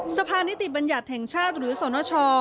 สภานิติบัญญัติแห่งชาติหรือสนช